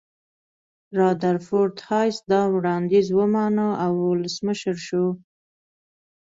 رادرفورد هایس دا وړاندیز ومانه او ولسمشر شو.